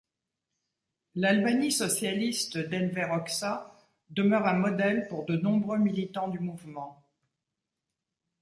L'Albanie socialiste d'Enver Hoxha demeure un modèle pour de nombreux militants du mouvement.